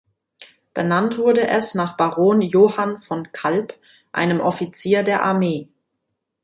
Benannt wurde es nach Baron Johann von Kalb, einem Offizier der Armee.